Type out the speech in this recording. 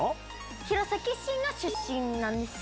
弘前市の出身なんですよ。